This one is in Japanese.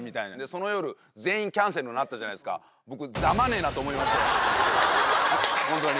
その夜全員キャンセルになったじゃないですか。と思いました本当に。